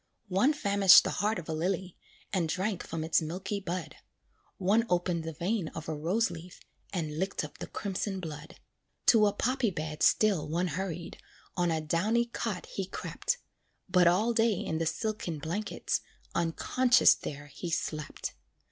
One famished the heart of a lily, And drank from its milky bud; One opened the vein of a rose leaf, And licked up the crimson blood. To a poppy bed still one hurried, On a downy cot he crept, But all day in the silken blankets, Unconscious there he slept.